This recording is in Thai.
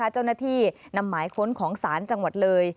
เจ้าหน้าที่นำหมายค้นของศาลจังหวัดเลย